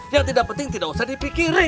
yang tidak penting tidak usah dipikirin